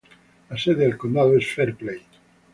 La sede del condado es Fairplay.